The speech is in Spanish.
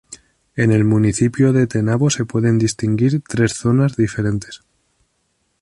En el municipio de Tenabo se pueden distinguir tres zonas diferentes.